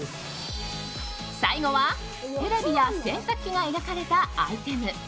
最後はテレビや洗濯機が描かれたアイテム。